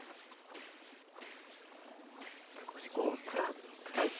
少しこうつらい。